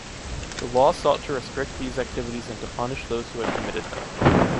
The Law sought to restrict these activities and to punish those who had committed them.